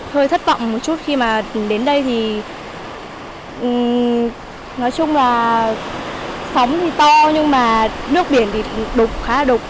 hơi thất vọng một chút khi mà đến đây thì nói chung là sóng thì to nhưng mà nước biển thì đục khá là đục